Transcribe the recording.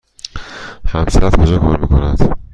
همسرت کجا کار می کند؟